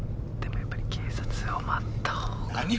でもやっぱり警察を待った方が。